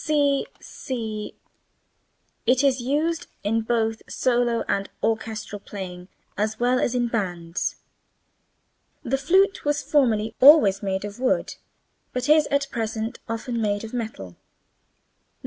[Illustration: c' c''''] It is used in both solo and orchestral playing as well as in bands. The flute was formerly always made of wood, but is at present often made of metal. 19.